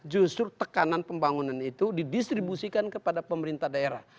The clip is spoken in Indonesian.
justru tekanan pembangunan itu didistribusikan kepada pemerintah daerah